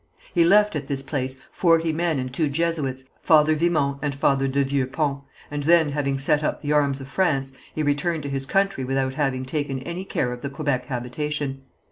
He left at this place forty men and two Jesuits, Father Vimont and Father de Vieux Pont, and then having set up the arms of France, he returned to his country without having taken any care of the Quebec habitation.